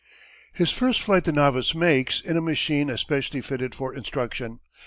His first flight the novice makes in a machine especially fitted for instruction.